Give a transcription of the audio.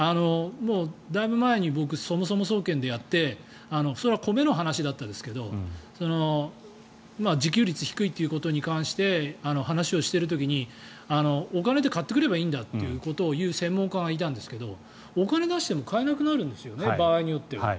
だいぶ前に僕、そもそも総研でやってそれは米の話でしたけど自給率が低いということに関して話をしている時にお金で買ってくればいいんだということを言う専門家がいたんですがお金出しても買えなくなるんですよね場合によっては。